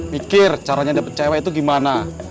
mikir caranya dapet cewek itu gimana